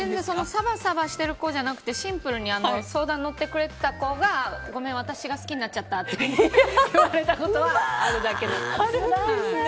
サバサバしてる子じゃなくてシンプルに相談乗ってくれてた子がごめん、私が好きになっちゃったって言われたことはあるだけです。